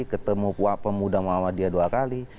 ketemu pemuda muhammadiyah dua kali